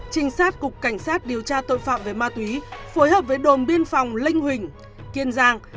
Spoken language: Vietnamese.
trinh sát cục cảnh sát điều tra tội phạm về ma túy phối hợp với đồn biên phòng linh huỳnh kiên giang